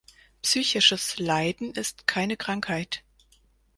Psychisches Leiden ist keine Krankheit.